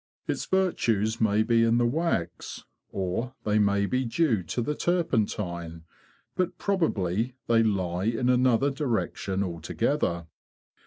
Its virtues may be in the THE PHYSICIAN IN THE HIVE 85 wax, or they may be due to the turpentine, but probably they lie in another direction altogether.